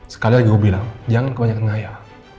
sekali lagi gue bilang jangan kebanyakan ngayah